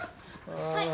はい。